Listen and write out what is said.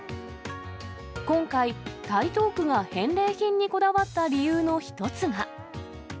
今回、台東区が返礼品にこだわった理由の一つが。